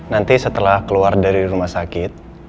nanti setelah keluar dari rumah sakit